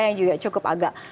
yang juga cukup agak